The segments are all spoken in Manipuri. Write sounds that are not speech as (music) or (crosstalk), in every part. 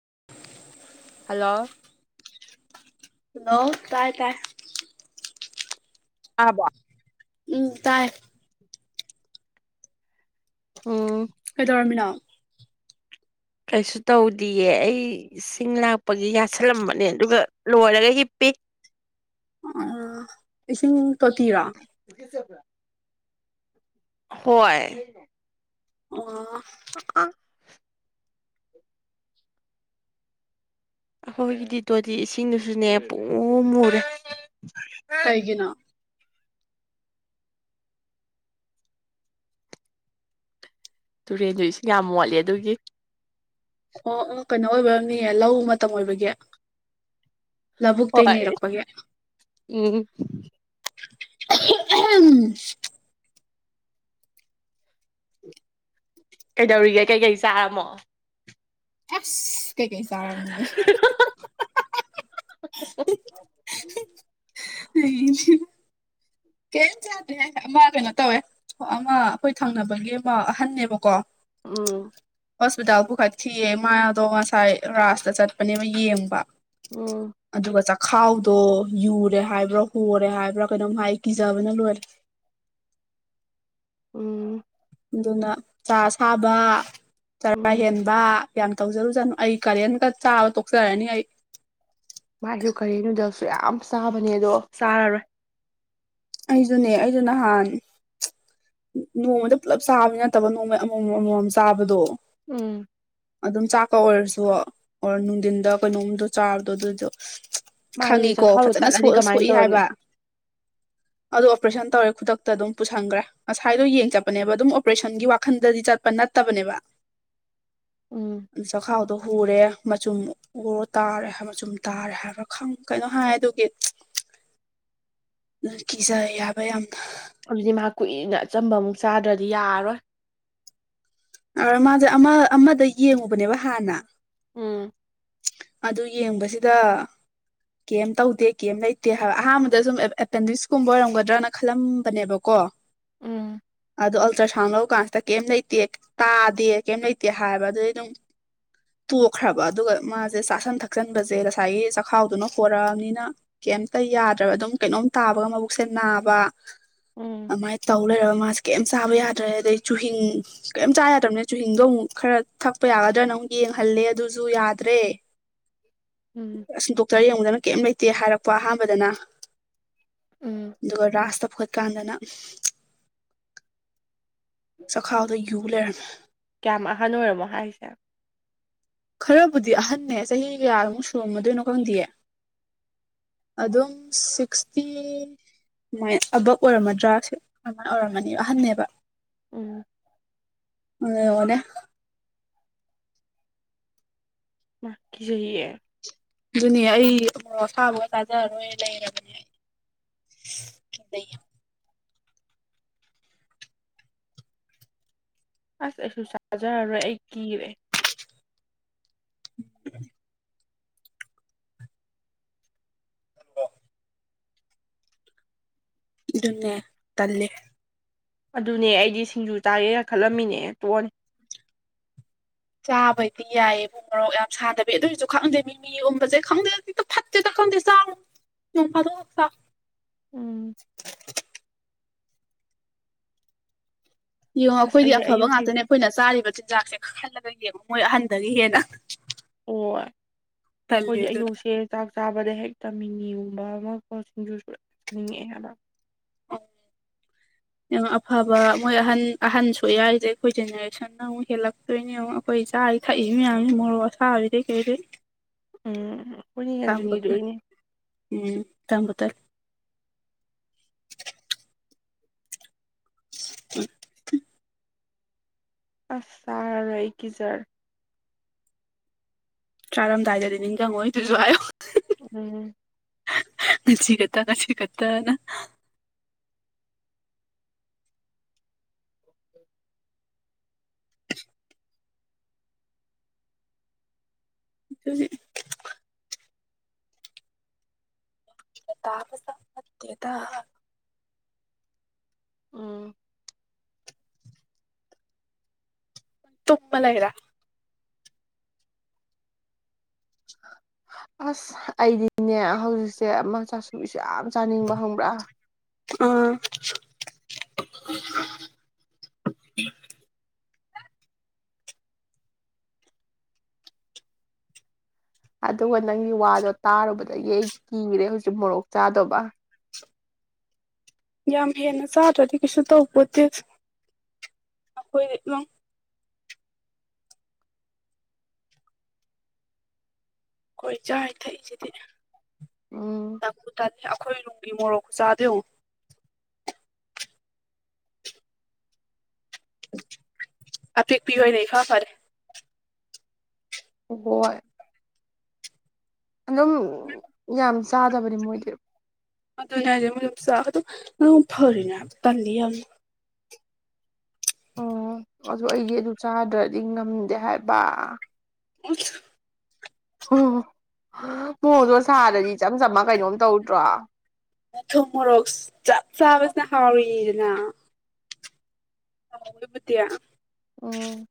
(unintelligible) ꯍꯜꯂꯣ ꯍꯜꯂꯣ ꯇꯥꯏ ꯇꯥꯏ ꯑꯕ ꯎꯝ ꯇꯥꯏ ꯎꯝ ꯀꯩꯗꯧꯔꯝꯃꯤꯅꯣ ꯀꯩꯁꯨ ꯇꯧꯗꯌꯦ ꯑꯩ ꯏꯁꯤꯡ ꯂꯥꯛꯄꯒꯤ ꯌꯥꯁꯜꯂꯝꯕꯅꯦ ꯑꯗꯨꯒ ꯂꯣꯏꯔꯒ ꯍꯤꯞꯄꯤꯤ (unintelligible) ꯑ ꯁꯦꯕ꯭ꯔ ꯍꯏ ꯑꯣ ꯑ ꯑꯩꯈꯣꯏꯒꯤꯗꯤ ꯇꯣꯗꯤ ꯏꯁꯤꯡꯗꯨꯁꯨꯅꯦ ꯄꯨꯡ ꯃꯨꯔꯦ ꯀꯩꯒꯤꯅ ꯇꯨꯔꯦꯟꯗꯨꯁꯨ ꯌꯥꯝ ꯃꯣꯠꯂꯦ ꯑꯗꯨꯒꯤ ꯑꯣ ꯀꯩꯅꯣ ꯑꯣꯏꯕꯅꯤꯌꯦ ꯂꯧ ꯃꯇꯝ ꯑꯣꯏꯕꯒꯤ ꯂꯧꯕꯨꯛꯇꯇꯩ ꯍꯣꯏ ꯅꯔꯛꯄꯒꯤꯏ ꯎꯝ ꯎꯝ ꯀꯩꯗꯧꯔꯤꯒꯦ ꯀꯩꯀꯩ ꯆꯥꯔꯝꯃꯣ ꯍꯞ ꯀꯩ ꯀꯩ ꯆꯥꯔꯝ ꯅꯣꯏ ꯎ ꯀꯩꯝ ꯆꯗꯦ ꯑꯃ ꯀꯩꯅꯣ ꯇꯧꯋꯦ ꯑꯃ ꯑꯩꯈꯣꯏ ꯊꯪꯅꯕꯒꯤ ꯑꯃ ꯑꯍꯟꯅꯦꯕꯀꯣ ꯎꯝ ꯍꯣꯁꯄꯤꯇꯥꯜ ꯄꯨꯈꯠꯈꯤꯑ ꯃꯥ ꯑꯗꯣ ꯉꯁꯥꯏ ꯔꯥꯥꯁꯇ ꯆꯠꯄꯅꯦꯕ ꯌꯦꯡꯕ ꯎꯝ ꯑꯗꯨꯒ ꯆꯥꯛ ꯈꯥꯎꯗꯣ ꯌꯨꯔꯦ ꯍꯥꯏꯕ꯭ꯔꯥ ꯍꯣꯔꯦ ꯍꯥꯏꯕ꯭ꯔꯥ ꯀꯩꯅꯣꯝ ꯍꯥꯏ ꯀꯤꯖꯕꯅ ꯂꯣꯏꯔꯦ (unintelligible) ꯎꯝ ꯑꯗꯨꯅ ꯆꯥ ꯁꯥꯕ ꯆꯔꯥ ꯎꯝ ꯍꯦꯟꯕ ꯌꯥꯝ ꯇꯧꯖꯔꯨꯖꯥꯠꯅꯨ ꯑꯩ ꯀꯔꯦꯟꯒ ꯆꯥꯕ ꯇꯣꯛꯆꯔꯅꯤ ꯑꯩ ꯃꯥꯁꯨ ꯀꯔꯤ ꯅꯨꯗꯜꯁꯨ ꯌꯥꯝ ꯆꯥꯕꯅꯦ ꯑꯗꯣ ꯆꯥꯔꯔꯣꯏ ꯑꯩꯁꯨꯅꯦ ꯑꯩꯁꯨ ꯅꯍꯥꯟ ꯅꯣꯡꯃꯗ ꯄꯨꯂꯞ ꯆꯥꯕ ꯅꯠꯇꯕ ꯅꯣꯡꯃꯩ ꯑꯃꯃꯝ ꯑꯃꯃꯝ ꯆꯥꯕꯗꯣ ꯎꯝ ꯑꯗꯨꯝ ꯆꯥꯛꯀ ꯑꯣꯏꯔꯁꯨ ꯑꯣꯔ ꯅꯨꯡꯊꯤꯟꯗ ꯀꯩꯅꯣꯝꯗꯣ ꯆꯥꯕꯗꯣ ꯑꯗꯨꯗꯣ ꯃꯥꯗꯨꯗꯤ ꯈꯪꯉꯤꯀꯣ ꯆꯈꯥꯎꯗꯣ ꯐꯖꯅ ꯇꯠꯂꯗꯤ ꯀꯃꯥꯏꯅ ꯁꯣꯛꯏ ꯇꯧꯔꯅꯤ ꯍꯥꯏꯕ ꯑꯗꯣ ꯑꯣꯄꯔꯦꯁꯟ ꯇꯧꯔꯦ ꯈꯨꯗꯛꯇ ꯑꯗꯨꯝ ꯄꯨꯁꯟꯈ꯭ꯔꯦ ꯉꯁꯥꯏꯗꯣ ꯌꯦꯡ ꯆꯠꯄꯅꯦꯕ ꯑꯗꯨꯝ ꯑꯣꯄꯔꯦꯁꯟꯒꯤ ꯋꯥꯈꯟꯗꯗꯤ ꯆꯠꯄ ꯅꯠꯇ꯭ꯔ ꯇꯕꯅꯦꯕ (unintelligible) ꯎꯝ ꯁ ꯈꯑꯣꯗ ꯎꯔꯦ ꯃꯆꯨꯝ ꯎꯔꯣ ꯇꯥꯔꯦ ꯃꯆꯨꯝ ꯇꯥꯔꯦ ꯍꯥꯏꯕ꯭ꯔꯥ ꯈ ꯀꯩꯅꯣ ꯍꯥꯏ ꯑꯗꯨꯒꯤ (unintelligible) ꯀꯤꯖ ꯌꯥꯕ ꯌꯥꯝꯅ ꯑꯗꯨꯗꯤ ꯃꯍꯥꯛ ꯀꯨꯏꯅ ꯑꯆꯝꯕ ꯑꯃꯨꯛ ꯆꯥꯗ꯭ꯔꯗꯤ ꯌꯥꯔꯔꯣꯏ ꯑ ꯃꯥꯁꯦ ꯑꯃ ꯑꯃꯗ ꯌꯦꯡꯉꯨꯕꯅꯦꯕ ꯍꯥꯟꯅ ꯎꯝ ꯑꯗꯨ ꯌꯦꯡꯕꯁꯤꯗ ꯀꯩꯝ ꯇꯧꯗꯦ ꯀꯩꯝ ꯂꯩꯇꯦ ꯍꯥꯏꯕ ꯑꯍꯥꯟꯕꯗ ꯁꯨꯝ ꯑꯦꯄꯦꯟꯗꯤꯛꯁꯀꯨꯝꯕ ꯑꯣꯏꯔꯝꯒꯗ꯭ꯔꯅ ꯈꯜꯂꯝꯕꯅꯦꯕꯀꯣ ꯎꯝ ꯑ ꯑꯜꯇ꯭ꯔꯁꯥꯎꯟ ꯂꯔ ꯀꯥꯟꯁꯤꯗ ꯀꯩꯝ ꯂꯩꯇꯦ ꯇꯥꯗꯦ ꯀꯩꯝ ꯂꯩꯇꯦ ꯍꯥꯏꯕ ꯑꯗꯨꯩ ꯑꯗꯨꯝ ꯇꯣꯛꯈ꯭ꯔꯕ ꯑꯗꯨꯒ ꯃꯥꯁꯦ ꯆꯥꯥꯁꯟ ꯊꯛꯆꯟꯕꯁꯦ ꯉꯁꯥꯏꯒꯤ ꯆꯈꯥꯎꯗꯨꯅ ꯍꯣꯔꯛꯑꯕꯅꯤꯅ ꯀ ꯌꯥ ꯀꯩꯅꯣ ꯇꯥ ꯃꯕꯨꯦ ꯅꯥꯕ ꯎꯝ ꯑꯗꯨꯃꯥꯏꯅ ꯇꯧ ꯂꯩ ꯃꯥꯁꯦ ꯀꯩꯝ ꯆꯥꯕ ꯌꯥꯗ꯭ꯔꯦ ꯑꯗꯩ ꯆꯨꯍꯤꯤꯡ ꯀꯩꯝ ꯆꯥ ꯌꯥꯗ꯭ꯔꯕꯅꯦ ꯆꯨꯍꯤꯡꯗꯣ ꯑꯃꯨꯛ ꯈꯔ ꯊꯛꯄ ꯌꯥꯒꯗ꯭ꯔꯥꯅ ꯑꯃꯨ ꯌꯦꯡꯍꯜꯂꯦ ꯑꯗꯨꯁꯨ ꯌꯥꯗ꯭ꯔꯦ ꯎꯝ ꯑꯁ ꯗꯣꯛꯇꯔ ꯌꯦꯡꯉꯗꯅ ꯀꯩꯝ ꯂꯩꯇꯦ ꯍꯥꯏꯔꯛꯄ ꯑꯍꯥꯟꯕꯗꯅ ꯎꯝ ꯑꯗꯨꯒ ꯔꯥꯁꯇ ꯐꯠꯀꯥꯟꯗꯅ ꯆꯈꯥꯎꯗ ꯌꯨ ꯂꯩꯔꯝꯃꯤ ꯀꯌꯥꯝ ꯑꯍꯟ ꯑꯣꯏꯔꯝꯃꯣ ꯍꯥꯏꯁꯦ ꯈꯔꯕꯨꯗꯤ ꯑꯍꯟꯅꯦ ꯆꯍꯤ ꯀꯌꯥꯃꯨꯛ ꯁꯨꯔꯝꯃꯗꯣꯏꯅꯣ ꯈꯪꯗꯦꯌꯦ ꯑꯗꯨꯝ ꯁꯤꯛꯁꯇꯤ ꯁꯨꯃꯥꯏ ꯑꯕꯛ ꯑꯣꯏꯔꯝꯃꯗ꯭ꯔꯥ ꯀꯃꯥꯏꯅ ꯑꯣꯏꯔꯝꯃꯅꯤ ꯑꯍꯟꯅꯅꯦꯕ ꯎꯝ ꯑ ꯑꯣꯗ ꯀꯤ ꯆꯍꯤꯍꯤꯌꯦ ꯑꯗꯨꯅꯦ ꯑꯩ ꯑꯁꯥꯕꯒ ꯇꯥꯖꯔꯔꯣꯏ ꯂꯩꯔꯕꯅꯦ ꯑꯩ ꯀ ꯇ ꯑꯁ ꯑꯩꯁꯨ ꯆꯖꯔꯔꯣꯏ ꯑꯩ ꯀꯤꯔꯦ (unintelligible) ꯑꯗꯨꯅꯦ ꯇꯂꯦ ꯑꯗꯨꯅꯦ ꯑꯩꯗꯤ ꯁꯤꯡꯖꯨ ꯆꯥꯒꯦꯅ ꯈꯜꯂꯝꯃꯤꯅꯦ ꯇꯣꯛꯑꯅꯤ ꯆꯥꯕꯩꯗꯤ ꯌꯥꯏꯌꯦꯕꯨꯡ ꯃꯣꯔꯣꯛ ꯌꯥꯝ ꯁꯥꯗꯕꯤ ꯑꯗꯨ ꯑꯣꯏꯔꯁꯨ ꯈꯪꯗꯦ ꯃꯤ ꯃꯤ ꯎꯕꯁꯦ ꯈꯪꯗꯦ ꯈꯤꯛꯇ ꯐꯠꯇꯦꯗ ꯣꯟꯗ ꯆ ꯅꯣꯡ ꯐꯗ ꯆ ꯎꯝ ꯌꯦꯡꯉꯣ ꯑꯁ ꯑꯩꯈꯣꯏꯗꯤ ꯑꯩꯗꯤ ꯑꯐꯕ ꯑꯌꯨꯛꯀꯤ ꯉꯥꯛꯇꯅꯦ ꯑꯩꯈꯣꯏꯅ ꯆꯥꯔꯤꯕ ꯆꯤꯟꯖꯥꯛꯁꯦ ꯀꯥꯍꯜꯂꯒ ꯌꯦꯡꯉꯣ ꯃꯣꯏ ꯑꯍꯟꯗꯒꯤ ꯍꯦꯟꯅ ꯑꯣ ꯇꯜꯂꯦ ꯑꯩꯈꯣꯏꯒꯤ ꯑꯗꯨꯅ ꯑꯌꯨꯛꯁꯦ ꯆꯥꯛ ꯆꯥꯕꯗ ꯍꯦꯛꯇꯃꯤꯉꯤꯒꯨꯝꯕ ꯑꯃ ꯁꯤꯡꯅꯤꯡꯦ (inaudible) ꯡꯉ ꯑꯐꯕ ꯃꯣꯏ ꯑꯍꯟ ꯑꯍꯟꯁꯨꯌꯥꯏꯁꯦ ꯑꯩꯈꯣꯏ ꯖꯦꯅꯦꯔꯦꯁꯟꯅ ꯑꯃꯨꯛ ꯍꯦꯜꯂꯛꯇꯣꯏꯅꯦ ꯑꯃꯨꯛ ꯑꯩꯈꯣꯏꯁꯦ ꯆꯥꯔꯤ ꯊꯛꯏ ꯃꯌꯥꯝꯁꯤ ꯃꯣꯔꯣꯛ ꯑꯁꯥꯔꯤꯗꯩ ꯀꯩꯗꯩ ꯎꯝ ꯑꯩꯈꯣꯏꯅꯦ ꯌꯥꯟꯁꯤꯟꯈꯤꯗꯣꯏꯅꯦ ꯇꯥꯝꯕꯗ ꯑ ꯑꯆꯥꯥ ꯑꯩꯒꯤꯖꯔ ꯆꯥꯔꯝꯗꯥꯏꯗꯗꯤ ꯅꯤꯡꯁꯤꯡꯪꯉꯣꯏ ꯑꯗꯨꯁꯨ ꯍꯥꯏꯌꯣ ꯎꯝ ꯆꯤ ꯀꯅ ꯆꯤ ꯀꯠꯇꯅ (unintelligible) ꯂ ꯇꯥꯕ ꯁꯄꯠꯇꯗ ꯎꯝ ꯇꯨꯄ ꯂ ꯏꯔ ꯑꯁ ꯑꯩꯗꯤꯅꯦ ꯍꯧꯖꯤꯛꯁꯦ ꯑꯃꯆꯥꯥꯁꯨ ꯌꯥꯝ ꯆꯥꯅꯤꯡꯕ ꯍꯪꯕ꯭ꯔꯥ ꯑꯥ ꯑꯗꯨꯒ ꯅꯪꯒꯤ ꯋꯥꯗꯣ ꯇꯥꯔꯨꯕꯗꯒꯤ ꯑꯩ ꯀꯤꯈ꯭ꯔꯦ ꯍꯧꯖꯤꯛ ꯃꯣꯔꯣꯛ ꯆꯥꯗꯕ ꯌꯥꯝ ꯍꯦꯟꯅ ꯆꯥꯗ꯭ꯔꯗꯤ ꯀꯩꯁꯨ ꯇꯧꯕꯄꯣꯠꯇꯦ ꯑꯩꯈꯣꯏ ꯑꯩꯈꯣꯏ ꯆꯥꯏ ꯊꯛꯏꯁꯤꯗꯤ ꯎꯝ ꯇꯕꯨ ꯇꯦ ꯑꯩꯈꯣꯏ ꯅꯨꯡꯒꯤ ꯃꯣꯔꯣꯛ ꯆꯥꯗꯨ ꯑꯄꯤꯦꯄꯤꯤ ꯑꯣꯏꯣꯏꯅ ꯈ ꯐꯔꯦ ꯍꯣꯏ ꯑꯗꯨꯝ ꯌꯥꯝ ꯆꯥꯗꯕꯅꯤ ꯃꯣꯏꯗꯤ ꯑꯗꯨꯅꯦ ꯍꯥꯏꯁꯦ ꯃ ꯆꯥꯛ ꯑꯗꯨꯣ ꯅ ꯐꯔꯤꯅꯦ ꯍꯥꯏꯕ ꯇꯜꯂꯤ ꯌꯥꯝꯅ ꯑꯣ ꯑꯗꯨ ꯑꯩꯁꯦ ꯑꯗꯨ ꯆꯥꯗ꯭ꯔꯗꯤ ꯉꯝꯗꯦ ꯍꯥꯏꯕ ꯑꯣꯁ ꯎ ꯃꯑꯣꯡꯗꯣ ꯁꯥꯗꯗꯤ ꯏꯆꯝ ꯆꯝꯃ ꯀꯩꯅꯣꯝ ꯇꯧꯗ꯭ꯔꯣ ꯃꯊꯨꯝ ꯃꯣꯔꯣꯛ ꯆꯥꯛ ꯆꯥꯕꯁꯤꯅ ꯍꯥꯎꯔꯤꯗꯅ ꯑ ꯎꯃꯇꯌꯥ ꯎꯝ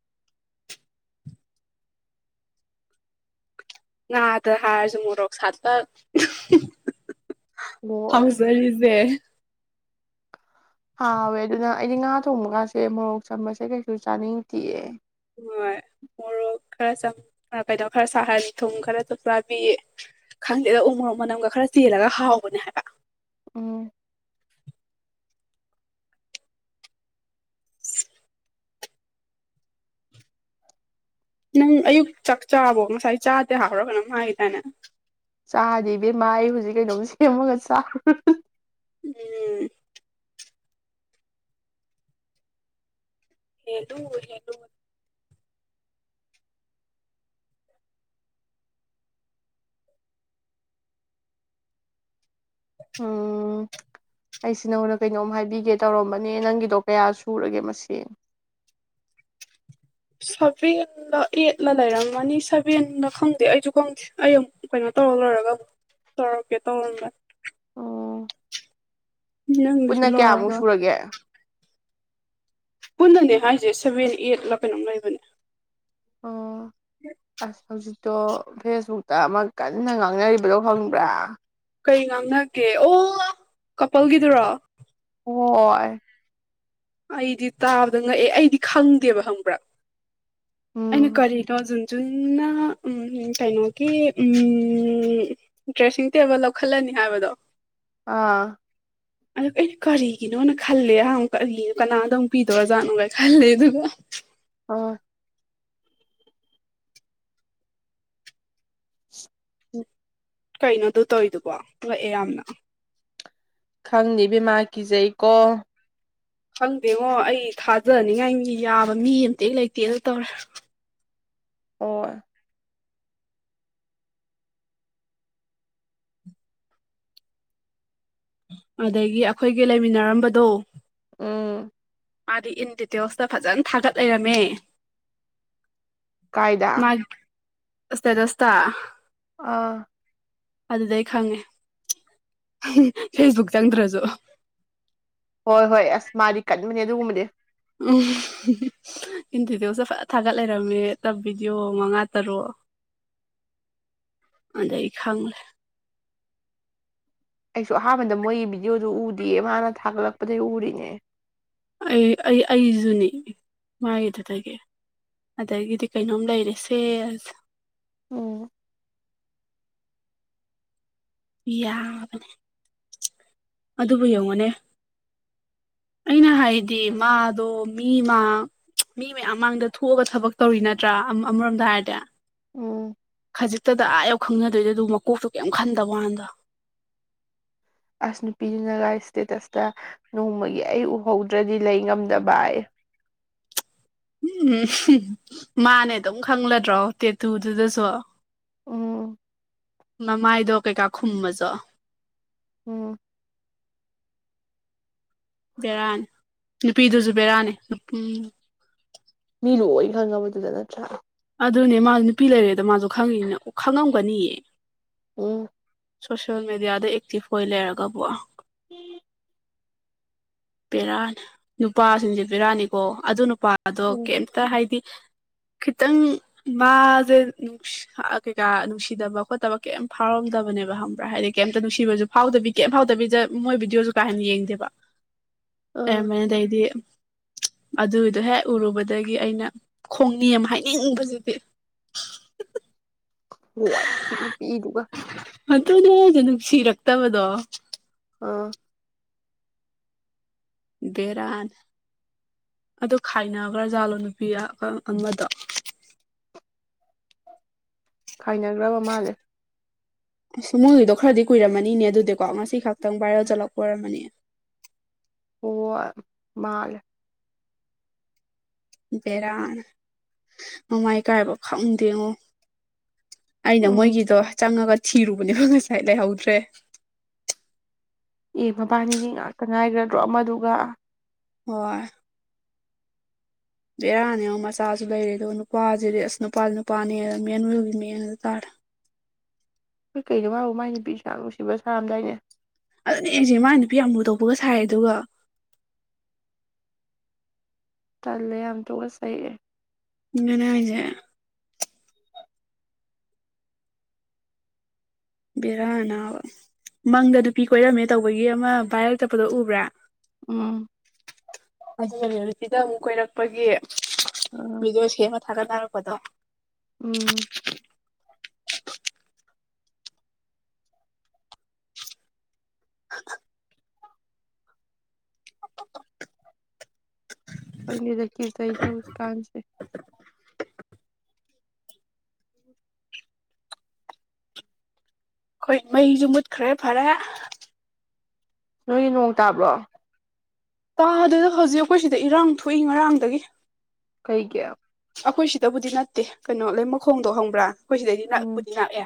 ꯉꯅꯥꯗ ꯍꯥꯔꯁꯨ ꯃꯣꯔꯣꯛ ꯁꯥꯠ ꯍꯣꯏ ꯍꯖ ꯂꯩꯗꯦ ꯍꯥꯎꯋꯦ ꯑꯗꯨꯅ ꯑꯩꯗꯤ ꯉꯥ ꯊꯣꯡꯕ ꯀꯥꯁꯦ ꯃꯣꯔꯣꯛ ꯆꯝꯕꯁꯦ ꯀꯩꯁꯨ ꯆꯥꯅꯤꯡꯗꯤꯑ ꯍꯣꯏ ꯃꯣꯔꯣꯛ ꯈꯔ ꯆ ꯀꯩꯅꯣ ꯈꯔ ꯁꯥꯍꯟ ꯊꯨꯝ ꯈꯔꯁꯨ ꯆꯥꯕꯤ ꯈꯪꯗꯦꯗ ꯎ ꯃꯣꯡ ꯃꯅꯝꯒ ꯈꯔ ꯆꯦꯜꯂꯒ ꯍꯥꯎꯕꯅꯦ ꯍꯥꯏꯕ ꯑ ꯅꯪ ꯑꯌꯨꯛ ꯆꯥꯛ ꯆꯥꯕꯣ ꯉꯁꯥꯏ ꯆꯥꯗꯦ ꯍꯥꯎꯔꯒꯅꯝ ꯍꯥꯏꯈꯤ ꯇꯥꯏꯅ ꯆꯥꯗꯤ ꯏꯕꯦꯝꯃꯥ ꯑꯩ ꯍꯧꯖꯤꯛ ꯀꯩꯅꯣꯝ ꯁꯦꯝꯃꯒ ꯆꯥ ꯎꯝ ꯍꯂ ꯍꯦꯂꯨ ꯎꯝ ꯑꯩꯁꯦ ꯅꯉꯣꯟꯗ ꯀꯩꯅꯣꯝ ꯍꯥꯏꯕꯤꯒꯦ ꯇꯧꯔꯝꯕꯅꯦ ꯅꯪꯒꯤꯗꯣ ꯀꯌꯥ ꯁꯨꯔꯒꯦ ꯃꯁꯤꯡꯁ ꯁꯚꯦꯗ ꯑꯦꯠꯂ ꯂꯩꯔꯝꯒꯅꯤ ꯁꯚꯦꯟꯅ ꯈꯪꯗꯦ ꯑꯩꯁꯨ ꯈꯪꯗꯦ ꯑꯩ ꯑꯃꯨꯛ ꯀꯩꯅꯣ (unintelligible) ꯇꯧꯔꯀꯦ ꯇꯣꯟꯝꯕ ꯑꯣ ꯄꯨꯟꯅ ꯀꯌꯥꯃꯨꯛ ꯂꯣꯏꯔꯒ ꯁꯨꯔꯒꯦ ꯄꯨꯟꯅꯅꯦ ꯍꯥꯏꯁꯦ ꯁꯚꯦꯟ ꯑꯦꯠꯂ ꯀꯩꯅꯣꯝ ꯂꯩꯕꯅꯦ ꯑꯣ ꯑ ꯍꯧꯖꯤ ꯇꯣ ꯐꯦꯁꯕꯨꯛꯇ ꯑꯃ ꯀꯟꯅ ꯉꯥꯡꯅꯔꯤꯕꯗꯣ ꯐꯪꯕ꯭ꯔꯥ ꯀꯩ ꯉꯥꯡꯅꯒꯦ ꯑꯣ ꯀꯄꯜꯒꯤꯗꯨꯔꯣ ꯍꯣꯏ ꯑꯩꯗꯤ ꯇꯥꯕꯗ ꯉꯛꯑꯦ ꯑꯩꯗꯤ ꯈꯪꯗꯦꯕ ꯈꯪꯕ꯭ꯔꯥ ꯑꯩꯅ ꯎꯝ ꯀꯔꯤꯅ ꯑꯖ ꯆꯨꯝꯅ ꯀꯩꯅꯣꯒꯤ ꯗ꯭ꯔꯦꯁꯤꯡ ꯇꯦꯕꯜ ꯂꯧꯈꯠꯂꯅꯤ ꯍꯥꯏꯕꯗꯣ ꯑꯥ ꯑ ꯑꯩꯅ ꯀꯔꯤꯒꯤꯅꯣꯅ ꯈꯜꯂꯦ ꯑꯍꯨ ꯀꯔꯤꯒꯤꯅꯣ ꯀꯅꯥꯗꯧꯨꯛ ꯄꯤꯗꯧꯔꯖꯥꯠꯅꯣꯒꯥꯏ ꯈꯜꯂꯦ ꯑꯗꯨꯒ ꯑꯥ (unintelligible) ꯎ ꯀꯩꯅꯣꯗ ꯇꯧꯋꯔꯤꯗꯨꯕꯣ ꯂꯣꯏꯑꯦ ꯌꯥꯝꯅ ꯈꯪꯅꯤ ꯕꯃꯥ ꯀꯤꯖꯩꯀꯣ ꯈꯪꯗꯦꯉꯣ ꯑꯩ ꯊꯥꯖꯅꯤꯡꯉꯥꯏ ꯌꯥꯕ ꯃꯤ ꯑꯃꯇ ꯂꯩꯇꯦꯅ ꯇꯧꯔꯦ ꯑꯣ ꯑꯗꯒꯤ ꯑꯩꯈꯣꯏꯒꯤ ꯂꯩꯃꯤꯟꯅꯔꯝꯕꯗꯣ ꯑꯥ ꯃꯥꯗꯤ ꯏꯟ ꯗꯤꯇꯦꯜꯁꯇ ꯐꯖꯅ ꯊꯥꯒꯠ ꯂꯩꯔꯝꯃꯦ ꯀꯥꯏꯗꯥ ꯑꯁ ꯆꯁꯇ ꯑꯥ ꯑꯗꯨꯗꯩ ꯑꯩ ꯈꯪꯉꯦ ꯐꯦꯁꯕꯨꯛꯇ ꯆꯪꯗ꯭ꯔꯁꯨ ꯍꯣꯏ ꯍꯣꯏ ꯑꯁ ꯃꯥꯗꯤ ꯀꯟꯕꯅꯦ ꯑꯗꯨꯒꯨꯝꯕꯗꯤ ꯎꯝ ꯏꯟ ꯗꯤꯇꯦꯜꯁꯦ ꯐ ꯊꯥꯒꯠ ꯂꯩꯔꯝꯃꯦ ꯇꯞ ꯚꯤꯗꯤꯑꯣ ꯃꯉꯥ ꯇꯔꯨꯛ ꯑꯗꯗꯒꯤ ꯈꯪꯂꯦ ꯑꯩꯁꯨ ꯑꯍꯥꯟꯕꯗ ꯃꯣꯏꯒꯤ ꯚꯤꯗꯤꯑꯣꯗ ꯎꯗꯌꯦ ꯃꯥꯅ ꯊꯥꯒꯠꯂꯛꯄꯗꯒꯤꯩ ꯎꯔꯤꯅꯦ ꯑꯩ ꯑꯩ ꯑꯩꯁꯨꯅꯤ ꯃꯥꯒꯤꯗꯨꯗꯒꯤ ꯑꯗꯒꯤꯗꯤ ꯀꯩꯅꯣꯝ ꯂꯩꯔꯦꯁꯦ ꯑꯁ ꯎꯝ ꯌꯥꯒꯅꯤ ꯑꯗꯨꯕꯨ ꯌꯦꯡꯉꯨꯅꯦ ꯑꯩꯅ ꯍꯥꯏꯗꯤ ꯃꯥꯗꯣ ꯃꯤꯃ ꯃꯤ ꯃꯌꯥꯝ ꯃꯥꯡꯗ ꯊꯣꯛꯑꯒ ꯊꯕꯛ ꯇꯧꯔꯤ ꯅꯠꯇ꯭ꯔꯥ ꯑꯃꯔꯣꯝꯗ ꯍꯥꯏꯔꯗꯤ ꯎꯝ ꯈꯖꯤꯛꯇꯗ ꯑꯥ ꯌꯧ ꯈꯪꯅꯗꯣꯏꯗ ꯑꯗꯨ ꯃꯀꯣꯛꯇ ꯀꯩꯝ ꯈꯟꯗꯕꯀꯥꯟꯗꯣ ꯑꯁ ꯅꯨꯄꯤꯗꯨꯅꯒ ꯏꯁꯇꯦꯇꯁꯇ ꯅꯣꯡꯃꯒꯤ ꯑꯩ ꯎꯍꯧꯗ꯭ꯔꯗꯤ ꯂꯩ ꯉꯝꯗꯕ ꯑꯩ ꯎꯝꯝ ꯃꯥꯅꯦ ꯑꯗꯨꯝ ꯈꯪꯂꯗ꯭ꯔꯣ ꯇꯦꯇꯨꯗꯨꯗꯁꯨ ꯎꯝ ꯃꯃꯥꯏꯗꯣ ꯀꯩꯀꯥ ꯈꯨꯝꯃꯖ ꯎꯝ ꯕꯦꯔꯥꯅꯤ ꯅꯨꯄꯤꯗꯨꯁꯨ ꯕꯦꯔꯥꯅꯤ ꯏ ꯂꯨꯣꯏ ꯈꯪꯉꯕꯗꯨꯗ ꯅꯠꯇ꯭ꯔꯥ ꯑꯗꯨꯅꯦ ꯃꯥꯁꯨ ꯅꯨꯄꯤ ꯂꯩꯔꯦꯗ ꯃꯥꯁꯨ ꯈꯪꯉꯤꯅꯤꯅ ꯑꯣ ꯈꯪꯉꯝꯒꯅꯤꯌꯦ ꯎꯝ ꯁꯣꯁꯤꯌꯦꯦꯜ ꯃꯦꯗꯤꯌꯥꯗ ꯑꯦꯛꯇꯤꯚ ꯑꯣꯏ ꯂꯩꯔꯒꯕ ꯎꯝ ꯄꯦꯔꯥꯅꯤ ꯅꯨꯄꯥꯁꯤꯡꯁꯦ ꯄꯦꯔꯛꯅꯤꯀꯣ ꯑꯗꯨ ꯅꯨꯄꯥꯗꯣ ꯎꯝ ꯀꯩꯝꯇ ꯍꯥꯏꯗꯤ ꯈꯤꯇꯪ ꯃꯥꯁꯦ ꯀꯩꯀꯥ ꯅꯨꯡꯁꯤꯗꯕ ꯈꯣꯠꯇꯕ ꯀꯩꯝ ꯐꯥꯎꯔꯝꯗꯕ ꯅꯦꯕ ꯍꯪꯕ꯭ꯔꯥ ꯍꯥꯏꯗꯤ ꯀꯩꯝꯇ ꯅꯨꯡꯁꯤꯕ ꯐꯥꯎꯗꯕꯤ ꯀꯩꯝ ꯐꯥꯎꯗꯕꯤꯗ ꯃꯣꯏ ꯕꯤꯗꯤꯑꯣꯁꯨ ꯀꯥ ꯍꯦꯟꯅ ꯌꯦꯡꯗꯦꯕ (inaudible) ꯑꯦ ꯑꯥ ꯃꯅꯦꯩꯗꯤ ꯑꯗꯨꯒꯤꯗꯣ ꯍꯦꯛ ꯎꯔꯨꯕꯗꯒꯤ ꯑꯩꯅ ꯈꯣꯡꯅꯤ ꯑꯃ ꯍꯥꯏꯅꯤꯡꯕꯕꯁꯤꯗꯤ ꯍ ꯄ ꯄꯤꯗꯨꯒ ꯑꯗꯨꯅꯦ ꯍꯥꯏꯁꯦ ꯅꯨꯡꯁꯤꯔꯛꯇꯕꯗꯣ ꯑꯥ ꯗꯦꯔꯥꯟ ꯑꯗꯨ ꯈꯥꯏꯅꯈ꯭ꯔꯥꯖꯥꯠꯂꯣ ꯅꯨꯄꯤꯗꯣ ꯈꯥꯏꯅꯈ꯭ꯔꯕ ꯃꯥꯜꯂꯦ ꯁꯃꯣꯏꯒꯤꯗꯣ ꯈꯔꯗꯤ ꯀꯨꯏꯔꯝꯃꯅꯤꯅꯦ ꯑꯗꯨꯗꯤꯀꯣ ꯉꯁꯤ ꯈꯛꯇꯪ ꯚꯥꯏꯔꯦꯜ ꯆꯠꯂꯛꯄ ꯑꯣꯏꯔꯝꯃꯅꯤ ꯑꯣ ꯃꯥꯜ ꯕꯦꯔꯥ ꯅꯃꯥꯏ ꯀꯥꯏꯕ ꯈꯥꯛꯎꯝꯗꯦꯉꯨ ꯑꯩꯅ ꯎꯝ ꯃꯣꯏꯒꯤꯗꯣ ꯆꯪꯉꯒ ꯊꯤꯔꯨꯕꯅꯦꯕ ꯉꯁꯥꯏ ꯂꯩꯍꯧꯗ꯭ꯔꯦ ꯑꯦ ꯃꯕꯥꯅꯤꯒꯤ ꯉꯥꯛꯇ ꯉꯥꯏꯈ꯭ꯔꯗ꯭ꯔꯣ ꯑꯃꯗꯨꯒ ꯍ ꯕꯦꯔꯥꯅꯤ ꯑꯃ ꯃꯆꯥꯁꯨ ꯂꯩꯔꯦ ꯑꯗꯨꯒ ꯅꯨꯄꯥꯁꯤꯗꯤ ꯑꯁ ꯅꯨꯄꯥ ꯅꯨꯄꯥꯅꯦꯅ ꯃꯦꯟꯅꯒꯤ ꯃꯅꯗ ꯇꯥꯔꯦ (unintelligible) ꯍꯣꯏ ꯀꯩꯅꯣ ꯍꯥꯏꯕꯨ ꯃꯥꯏ ꯅꯨꯄꯤ ꯁꯥ ꯅꯨꯡꯁꯤꯕ ꯁꯥꯔꯝꯗꯥꯏꯅꯦ ꯑꯗꯨꯅꯦ ꯑꯦꯁꯦ ꯃꯥ ꯅꯨꯄꯤ ꯑꯃ ꯃꯨ ꯇꯣꯛꯄꯒ ꯁꯥꯏ ꯑꯗꯨꯒ ꯇꯜꯂꯦ ꯌꯥꯝ ꯊꯣꯛꯒ ꯁꯛꯑꯦ ꯏꯅꯦ ꯍꯥꯏꯖ ꯕꯦꯔꯥꯅꯥ ꯃꯪꯗ ꯅꯨꯄꯤ ꯀꯣꯏꯔꯝꯃꯦ ꯇꯧꯕꯒꯤ ꯑꯃ ꯚꯥꯏꯔ ꯆꯠꯄꯗꯣ ꯎꯕ꯭ꯔꯥ ꯎꯝ ꯑꯗꯨꯅꯦ ꯅꯨꯁꯤꯗ ꯑꯃꯨꯛ ꯀꯣꯏꯔꯛꯄꯒꯤ ꯑꯥ ꯃꯤꯗꯑꯣ ꯁꯦꯃ ꯊꯒ ꯇꯔ ꯀꯗ ꯎꯝ (unintelligible) (unintelligible) ꯀꯣꯏꯗꯀꯤ ꯆꯁ ꯀꯥꯟꯁꯦ ꯑꯩꯈꯣꯏ ꯃꯩꯁꯨ ꯃꯨꯠꯈ꯭ꯔꯦ ꯐꯔꯦ ꯅꯣꯏꯒꯤ ꯅꯣꯡ ꯇꯥꯕ꯭ꯔꯣ ꯇꯥ ꯑꯗꯨꯗ ꯍꯧꯖꯤꯛ ꯑꯩꯈꯣꯏ ꯁꯤꯗ ꯏꯔꯥꯡ ꯊꯣꯛꯏ ꯉꯔꯥꯡꯗꯒꯤ ꯀꯩ ꯀꯌꯥ ꯑꯩꯈꯣꯏ ꯁꯤꯗꯕꯨꯗꯤ ꯅꯠꯇꯦ ꯀꯩꯅꯣ ꯂꯩ ꯃꯈꯣꯡꯗꯣ ꯍꯪꯕ꯭ꯔꯥ ꯑꯩꯈꯣꯏ ꯁꯤꯗꯩꯗꯤ ꯎꯝ ꯅꯛꯄꯨꯗꯤ ꯅꯛꯑꯦ